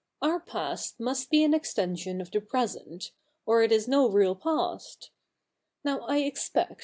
Our past must l)e an extension of the present, or it is no real past. Now I expect.